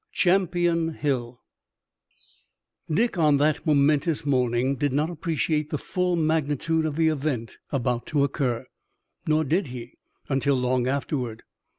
CHAMPION HILL Dick on that momentous morning did not appreciate the full magnitude of the event about to occur, nor did he until long afterward.